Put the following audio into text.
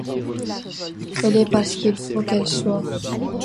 Elle est parce qu’il faut qu’elle soit.